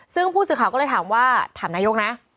ซึ่งผู้สื่อข่าวก็เลยถามว่าถามนายกนะ